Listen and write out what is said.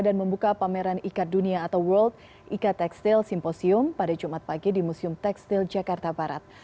dan membuka pameran ikat dunia atau world ika textile symposium pada jumat pagi di museum textile jakarta barat